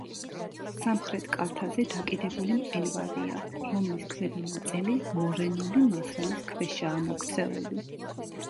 სამხრეთ კალთაზე დაკიდებული მყინვარია, რომლის ქვედა ნაწილი მორენული მასალის ქვეშაა მოქცეული.